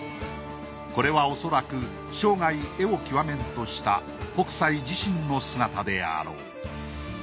これはおそらく生涯絵を極めんとした北斎自身の姿であろう。